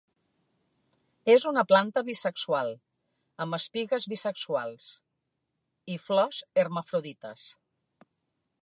És una planta bisexual, amb espigues bisexuals; i flors hermafrodites.